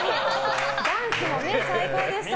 ダンスも最高でしたから。